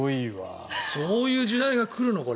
そういう時代が来るの？